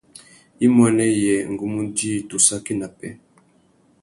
Imuênê yê ngu mú djï tu saki nà pêh.